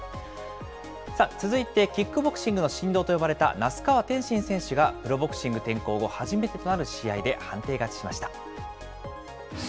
続いてキックボクシングの神童と呼ばれた那須川天心選手がプロボクシング転向後、初めての試合で判定勝ちしました。